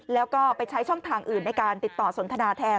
แล้วก็ไปใช้ช่องทางอื่นในการติดต่อสนทนาแทน